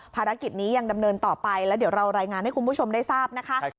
ภารกิจนี้ยังดำเนินต่อไปแล้วเดี๋ยวเรารายงานให้คุณผู้ชมได้ทราบนะคะ